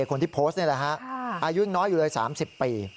คนที่โพสต์นี่แหละฮะอายุน้อยอยู่เลย๓๐ปี